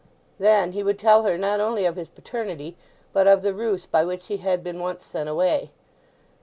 Then he would tell her not only of his paternity, but of the ruse by which he had been once sent away.